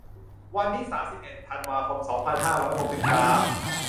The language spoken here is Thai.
วันที่ สามสิบเอ็ด ธันวาคม สองพันห้าร้อยหกสิบสาม